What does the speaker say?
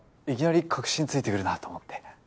いきなり核心突いてくるなと思って。